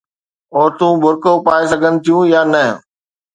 عورتون برقع پائي سگهن ٿيون يا نه.